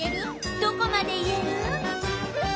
どこまで言える？